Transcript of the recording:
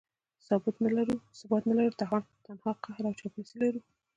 ثبات نه لرو، تنها قهر او چاپلوسي لرو.